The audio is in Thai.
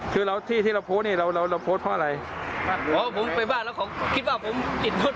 เขาก็คิดว่าผมทำงานแบบร้านอาหารอย่างนี้แหละมั้งครับ